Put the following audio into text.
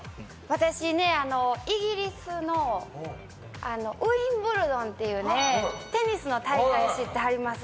私、イギリスのウィンブルドンっていうテニスの大会知ってはります？